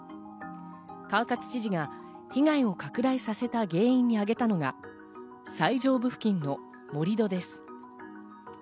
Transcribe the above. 川勝知事が被害を拡大させた原因に挙げたのが、最上部付近の盛り土です。